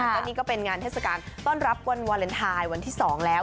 ก็นี่ก็เป็นงานเทศกาลต้อนรับวันวาเลนไทยวันที่๒แล้ว